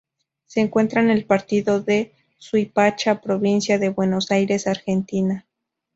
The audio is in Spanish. Se encuentra en el partido de Suipacha, provincia de Buenos Aires, Argentina.